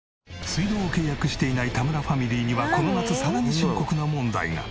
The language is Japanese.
水道を契約していない田村ファミリーにはこの夏さらに深刻な問題が。